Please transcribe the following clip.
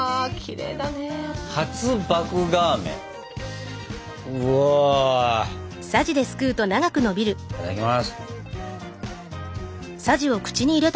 いただきます。